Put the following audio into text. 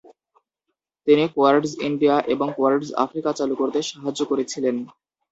তিনি Quartz India এবং Quartz Africa চালু করতে সাহায্য করেছিলেন।